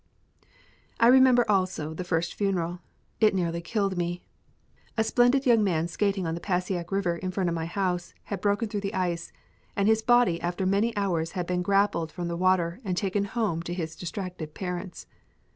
I remember also the first funeral. It nearly killed me. A splendid young man skating on the Passaic River in front of my house had broken through the ice, and his body after many hours had been grappled from the water and taken home to his distracted parents.